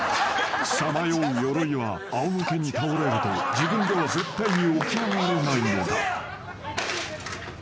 ［さまようヨロイはあお向けに倒れると自分では絶対に起き上がれないのだ］